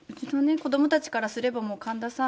子どもたちからすれば、もう神田さん